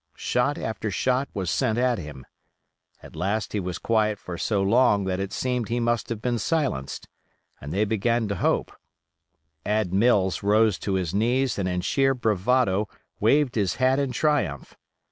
Shot after shot was sent at him. At last he was quiet for so long that it seemed he must have been silenced, and they began to hope; Ad Mills rose to his knees and in sheer bravado waved his hat in triumph.